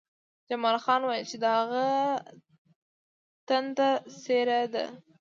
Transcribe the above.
جمال خان وویل چې د هغه ټنډه څیرې ده